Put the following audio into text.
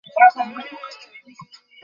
আমার অনুমান কবে ভুল হয়েছে?